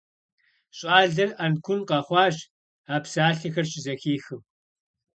ЩӀалэр Ӏэнкун къэхъуащ, а псалъэхэр щызэхихым.